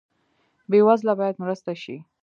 بې وزله باید مرسته شي